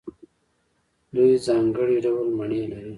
دوی ځانګړي ډول مڼې لري.